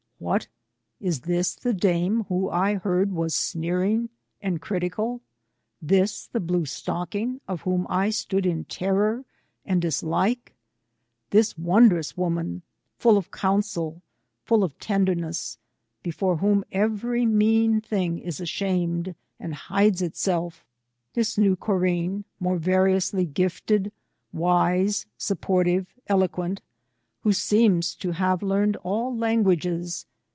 What ! is this the dame, who, I heard, was sneering and critical ? this the blue stocking, of whom I stood in terror and dislike ? this won drous woman, full of counsel, full of tenderness, before whom every mean thing is ashamed, and hides itself; this new Corinne, more variously gifted, wise, sportive, eloquent, who seems to have learned all languages.